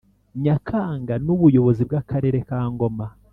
Nyakanga n’ubuyobozi bw’Akarere ka Ngoma